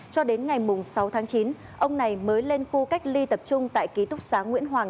cho đến ngày sáu tháng chín ông này mới lên khu cách ly tập trung tại ký túc xá nguyễn hoàng